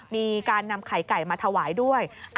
มีการนำไข่ไก่มาถวายด้วย